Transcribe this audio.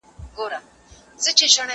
کتاب وليکه!؟